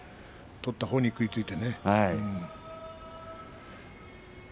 取ったほうに食いついて。